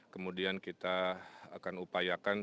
kemudian kita akan upayakan